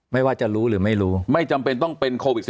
ไม่ว่าจะรู้หรือไม่รู้ไม่จำเป็นต้องเป็นโควิด๑๙